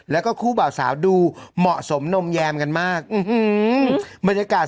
แล้วก็คู่บ่าวสาวดูเหมาะสมนมแยมกันมากบรรยากาศ